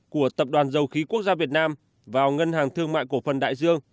của tập đoàn dầu khí quốc gia việt nam vào ngân hàng thương mại cổ phần đại dương